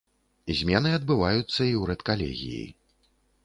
Змены адбываюцца і ў рэдкалегіі.